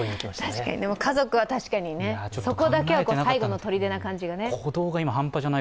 確かに、家族は確かにね、そこは最後のとりでの感じがね。